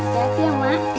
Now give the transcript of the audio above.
sehat ya mak